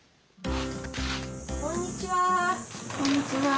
こんにちは。